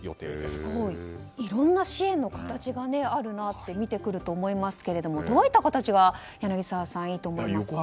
すごい！いろんな支援の形があるなって思いますけどどういった形が柳澤さん、いいと思いますか？